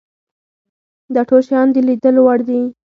دا ټول شیان د لیدلو وړ دي.